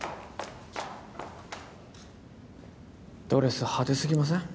ドレス派手すぎません？